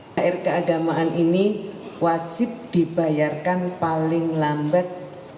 thr keagamaan ini wajib dibayarkan paling lambat